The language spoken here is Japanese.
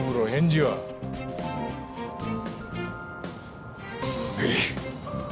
はい。